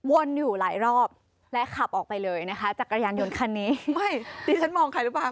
อยู่หลายรอบและขับออกไปเลยนะคะจักรยานยนต์คันนี้ไม่ดิฉันมองใครหรือเปล่า